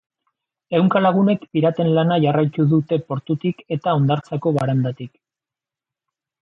Ehunka lagunek piraten lana jarraitu dute portutik eta hondartzako barandatik.